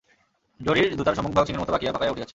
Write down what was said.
জরির জুতার সম্মুখভাগ শিঙের মতো বাঁকিয়া পাকাইয়া উঠিয়াছে।